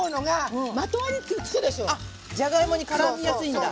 あっじゃがいもにからみやすいんだ。